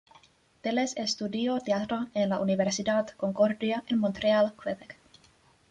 Teles estudió teatro en la Universidad Concordia en Montreal, Quebec.